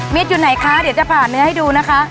อยู่ไหนคะเดี๋ยวจะผ่านเนื้อให้ดูนะคะ